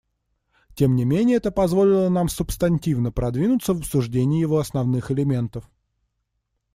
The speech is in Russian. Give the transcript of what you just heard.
Тем не менее это позволило нам субстантивно продвинуться в обсуждении его основных элементов.